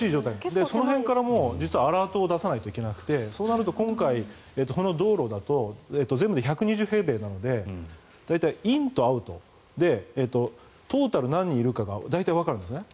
その辺から実はアラートを出さないといけなくてそうなると今回、この道路だと全部で１２０平米なので大体、インとアウトでトータル何人いるかが大体わかるんですね。